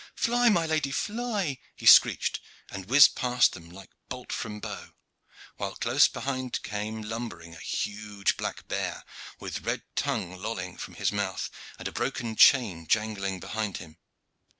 "Fly, my lady, fly!" he screeched, and whizzed past them like bolt from bow; while close behind came lumbering a huge black bear, with red tongue lolling from his mouth, and a broken chain jangling behind him.